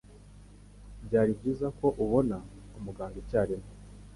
Byari byiza ko ubona umuganga icyarimwe.